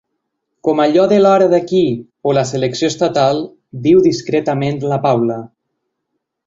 Com allò de l'hora d'aquí, o la selecció estatal –diu distretament la Paula.